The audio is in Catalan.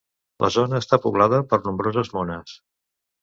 La zona està poblada per nombroses mones.